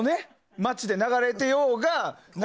街で流れてようがね。